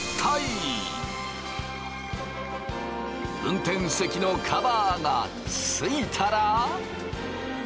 運転席のカバーが付いたら。